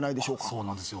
そうなんですよ。